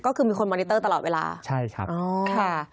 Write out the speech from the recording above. ก็คือมีคนมอนิเตอร์ตลอดเวลาใช่ครับอ๋อค่ะ